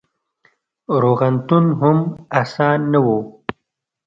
روغتون هم اسان نه و: